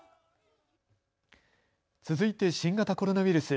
続いて新型コロナウイルス。